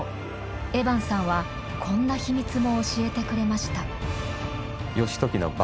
エバンさんはこんな秘密も教えてくれました。